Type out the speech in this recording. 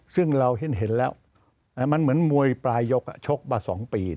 ซึ่งเราเห็นแล้วมันเหมือนมวยปลายยกชกมา๒ปี